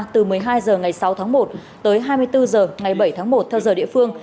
từ một mươi hai h ngày sáu tháng một tới hai mươi bốn h ngày bảy tháng một theo giờ địa phương